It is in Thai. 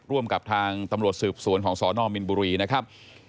ร่วมกับทางตำรวจสืบสวนของสนมินบุรีนะครับ